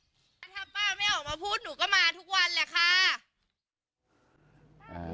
ถ้าป้าไม่ออกมาพูดหนูก็มาทุกวันแหละค่ะ